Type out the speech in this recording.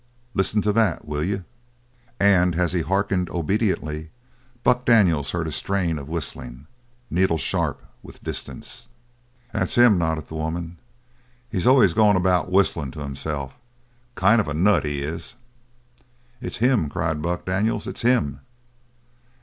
"Listen to that, will you?" And as he hearkened obediently Buck Daniels heard a strain of whistling, needle sharp with distance. "That's him," nodded the woman. "He's always goin' about whistling to himself. Kind of a nut, he is." "It's him!" cried Buck Daniels. "It's him!"